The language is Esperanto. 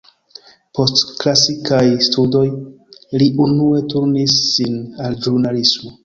Post klasikaj studoj, li unue turnis sin al ĵurnalismo.